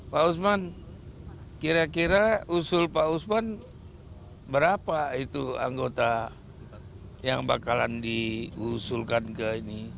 pak usman kira kira usul pak usman berapa itu anggota yang bakalan diusulkan ke ini